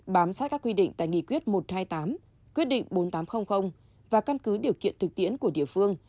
bám sát các quy định tại nghị quyết một trăm hai mươi tám quyết định bốn nghìn tám trăm linh và căn cứ điều kiện thực hiện